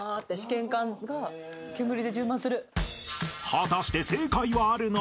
［果たして正解はあるのか？］